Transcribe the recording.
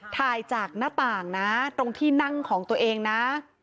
ถ่ายจากหน้าต่างนะตรงที่นั่งของตัวเองนะ